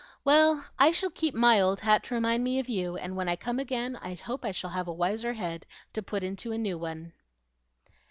Well, I shall keep MY old hat to remind me of you: and when I come again, I hope I shall have a wiser head to put into a new one."